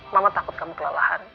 mama takut kamu kelolaan